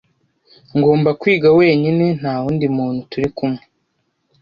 ngomba kwiga wenyine ntawundi muntu turikumwe